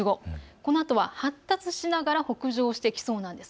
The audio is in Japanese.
このあと発達しながら北上してきそうです。